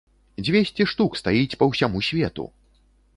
Дзвесце штук стаіць па ўсяму свету!